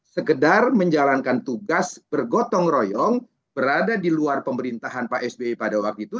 sekedar menjalankan tugas bergotong royong berada di luar pemerintahan pak sby pada waktu itu